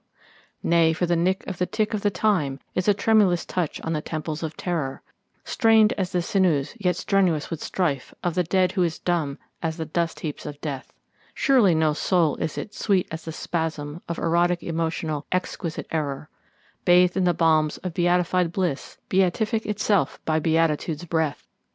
Nay, for the nick of the tick of the time is a tremulous touch on the temples of terror, Strained as the sinews yet strenuous with strife of the dead who is dumb as the dust heaps of death; Surely no soul is it, sweet as the spasm of erotic emotional exquisite error, Bathed in the balms of beatified bliss, beatific itself by beatitude's breath.